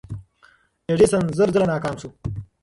ایډیسن زر ځله ناکام شو.